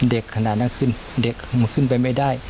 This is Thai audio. ขนาดนั้นขึ้นเด็กขึ้นไปไม่ได้